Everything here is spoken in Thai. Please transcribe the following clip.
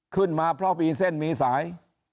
ขึ้นมาเพราะมีเส้นมีสาย